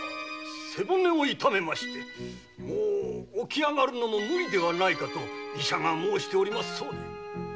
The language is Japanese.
背骨を痛めましてもう起き上がるのも無理ではないかと医者が申しておりますそうで。